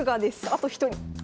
あと一人。